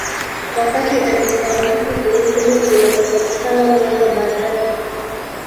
Wakati antibaotiki penicillin ilipopatikana miaka baadae